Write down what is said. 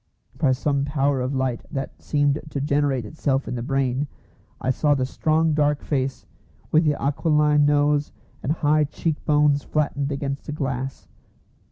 By some power of light that seemed to generate itself in the brain, I saw the strong dark face with the aquiline nose and high cheek bones flattened against the glass.